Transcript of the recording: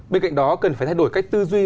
bên cạnh đó cần phải thay đổi cách tư duy